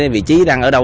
vị trí đang ở đâu